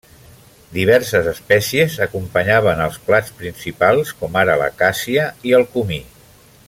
Diverses espècies acompanyaven els plats principals, com ara la càssia i el comí.